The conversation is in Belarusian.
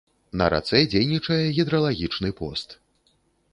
На рацэ дзейнічае гідралагічны пост.